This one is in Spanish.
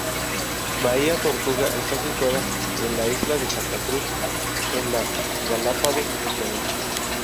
Bahía Tortuga está situada en la isla de Santa Cruz, en las Galápagos, Ecuador.